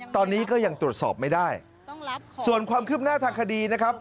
ตอนนี้ก็ยังตรวจสอบไม่ได้ต้องรับส่วนความคืบหน้าทางคดีนะครับ